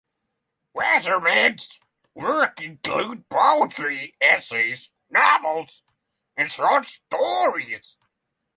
Wassermann's work includes poetry, essays, novels, and short stories.